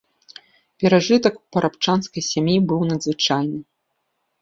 Перажытак у парабчанскай сям'і быў надзвычайны.